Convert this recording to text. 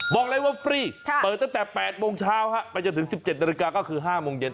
บอกเลยว่าฟรีเปิดตั้งแต่๘โมงเช้าไปจนถึง๑๗นาฬิกาก็คือ๕โมงเย็น